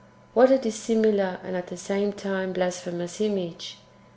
What a dissimilar, and at the same time blasphemous image